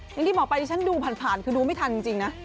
อย่างที่บอกไปที่ฉันดูผ่านคือดูไม่ทันจริงนะ